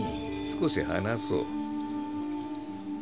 少し話そう。